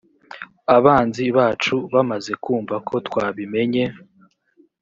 abanzi bacu bamaze kumva ko twabimenye